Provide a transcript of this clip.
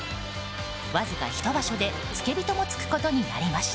わずか１場所で付き人も付くことになりました。